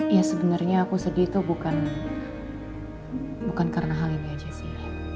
ya sebenarnya aku sedih itu bukan karena hal ini aja sih